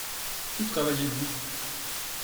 Où travaillez-vous ?